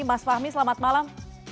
mas fahmi selamat malam